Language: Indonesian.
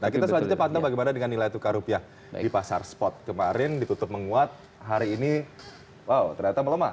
nah kita selanjutnya pantau bagaimana dengan nilai tukar rupiah di pasar spot kemarin ditutup menguat hari ini wow ternyata melemah